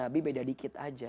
dari guru saya begini katanya